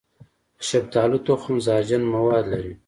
د شفتالو تخم زهرجن مواد لري.